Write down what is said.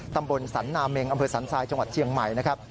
ตำบลสันนาเมงอำเภอสันทรายจังหวัดเชียงใหม่นะครับ